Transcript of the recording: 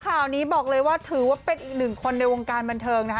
ข่าวนี้บอกเลยว่าถือว่าเป็นอีกหนึ่งคนในวงการบันเทิงนะคะ